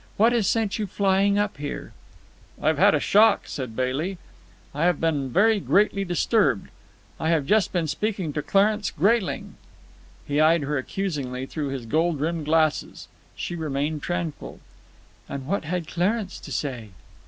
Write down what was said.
What has sent you flying up here?" "I have had a shock," said Bailey. "I have been very greatly disturbed. I have just been speaking to Clarence Grayling." He eyed her accusingly through his gold rimmed glasses. She remained tranquil. "And what had Clarence to say?"